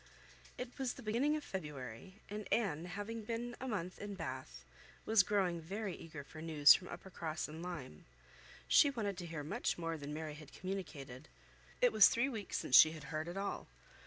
It was the beginning of February; and Anne, having been a month in Bath, was growing very eager for news from Uppercross and Lyme. She wanted to hear much more than Mary had communicated. It was three weeks since she had heard at all.